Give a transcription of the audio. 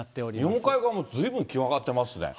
日本海側もずいぶん気温上がってますね。